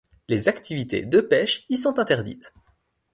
Les activités de pêche y sont interdites.